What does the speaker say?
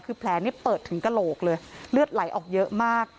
คือแผลเปิดถึงกระโหลกเลยเลือดไหลออกเยอะมาก